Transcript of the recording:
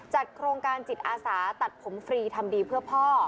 โครงการจิตอาสาตัดผมฟรีทำดีเพื่อพ่อ